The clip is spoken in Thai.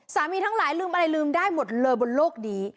ทั้งหลายลืมอะไรลืมได้หมดเลยบนโลกนี้